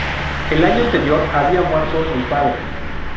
El año anterior había muerto el padre.